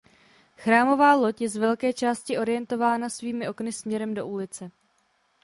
Chrámová loď je z velké části orientována svými okny směrem do ulice.